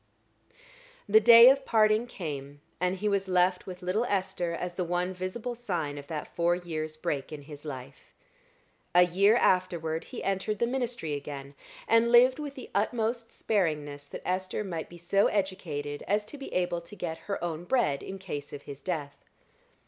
The day of parting came, and he was left with little Esther as the one visible sign of that four years' break in his life. A year afterward he entered the ministry again, and lived with the utmost sparingness that Esther might be so educated as to be able to get her own bread in case of his death.